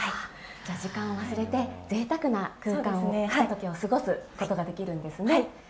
時間を忘れて、ぜいたくな空間をひとときを過ごすことができるんですね。